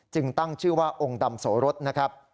ตั้งชื่อว่าองค์ดำโสรสนะครับ